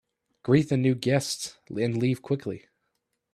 Greet the new guests and leave quickly.